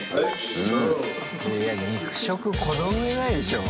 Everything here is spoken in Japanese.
いや肉食このうえないでしょう